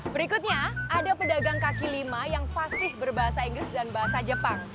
berikutnya ada pedagang kaki lima yang fasih berbahasa inggris dan bahasa jepang